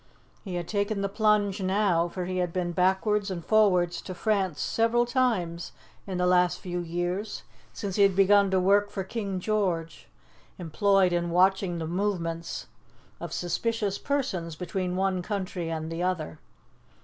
He had taken the plunge now, for he had been backwards and forwards to France several times in the last few years, since he had begun to work for King George, employed in watching the movements of suspicious persons between one country and the other.